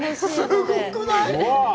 すごくない？